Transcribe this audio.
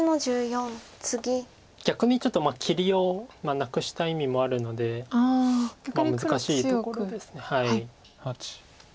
逆にちょっと切りをなくした意味もあるので難しいところです。